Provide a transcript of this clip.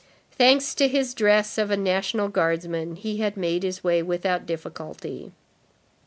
Thanks to his dress of a National Guardsman, he had made his way without difficulty.